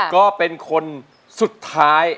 ก็เป็นคนสุดท้าย